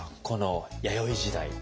この弥生時代。